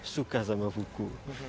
suka sama buku